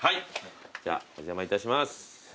じゃあお邪魔いたします。